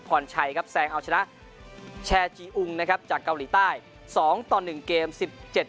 พรชัยครับแซงเอาชนะแชร์จีอุงนะครับจากเกาหลีใต้สองต่อหนึ่งเกมสิบเจ็ด